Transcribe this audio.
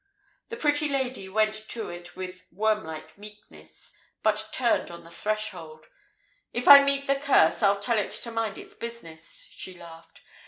The pretty lady went to it with wormlike meekness, but turned on the threshold. "If I meet the Curse, I'll tell it to mind its business," she laughed.